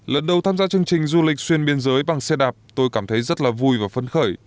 lần đầu tham gia chương trình du lịch xuyên biên giới bằng xe đạp tôi cảm thấy rất là vui và phấn khởi